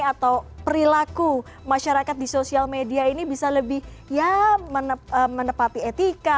atau perilaku masyarakat di sosial media ini bisa lebih ya menepati etika